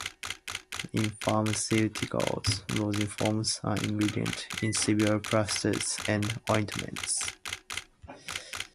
In pharmaceuticals, rosin forms an ingredient in several plasters and ointments.